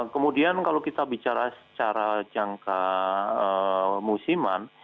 kemudian kalau kita bicara secara jangka musiman